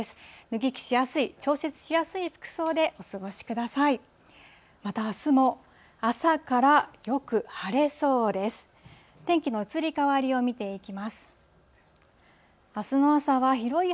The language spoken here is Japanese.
脱ぎ着しやすい、調節しやすい服装でお過ごしください。